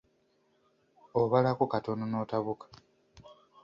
Obalako katono n’otabuka.